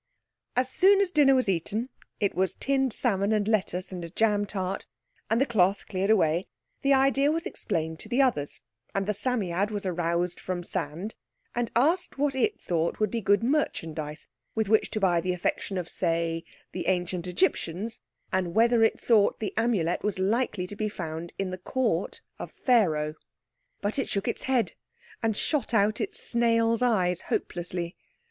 As soon as dinner was eaten (it was tinned salmon and lettuce, and a jam tart), and the cloth cleared away, the idea was explained to the others, and the Psammead was aroused from sand, and asked what it thought would be good merchandise with which to buy the affection of say, the Ancient Egyptians, and whether it thought the Amulet was likely to be found in the Court of Pharaoh. But it shook its head, and shot out its snail's eyes hopelessly.